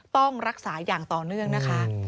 ต้องรักษาอย่างต่อเนื่องนะคะ